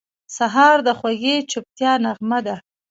سهار د خوږې چوپتیا نغمه ده.